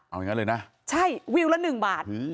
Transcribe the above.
เอาอย่างนั้นเลยนะใช่วิวละ๑บาท